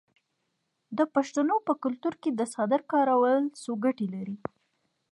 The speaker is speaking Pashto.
د پښتنو په کلتور کې د څادر کارول څو ګټې لري.